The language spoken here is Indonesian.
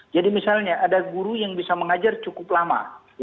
jadi misalnya ada guru yang bisa mengajar cukup lama